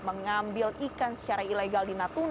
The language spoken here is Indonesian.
mengambil ikan secara ilegal di natuna